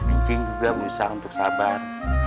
incing juga berusaha untuk sabar